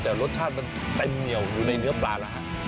แต่รสชาติมันเต็มเหนียวอยู่ในเนื้อปลาแล้วฮะ